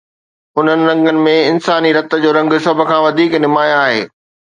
انهن رنگن ۾ انساني رت جو رنگ سڀ کان وڌيڪ نمايان آهي.